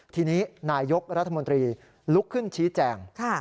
ทีนี้นายกรัฐมนตรีลุกขึ้นชี้แจง